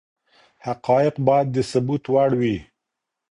حقايق بايد د ثبوت وړ وي.